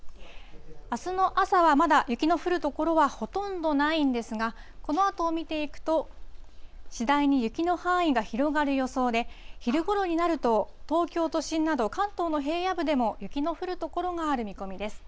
あすの朝はまだ雪の降る所はほとんどないんですが、このあとを見ていくと、次第に雪の範囲が広がる予想で、昼ごろになると、東京都心など、関東の平野部でも雪の降る所がある見込みです。